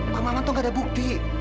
pak maman tuh gak ada bukti